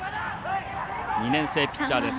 ２年生ピッチャーです。